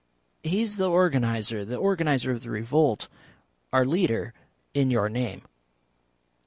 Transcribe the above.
"He is the organiser the organiser of the revolt. Our Leader in your name."